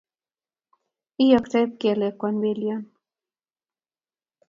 lyoktoi kiplekwa belion